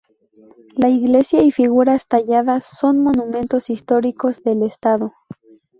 La Iglesia y figuras talladas son Monumentos Históricos del Estado.